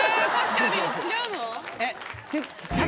確かに違うの？